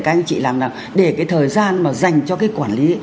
các anh chị làm là để cái thời gian mà dành cho cái quản lý